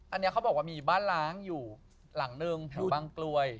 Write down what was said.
อันนี้เขาบอกว่ามีบ้านล้างอยู่หลังนึงแถวบางกลวย